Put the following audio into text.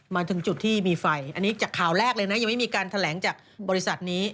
มาถึงจุดที่มีไฟอันนี้จากข่าวแรกเลยนะยังไม่มีการแถลงจากบริษัทนี้